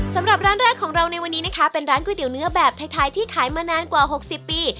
สำหรับร้านแรกของเราในวันนี้นะคะเป็นร้านก๋วยเตี๋ยวเนื้อแบบไทยที่ขายมานานกว่า๖๐ปี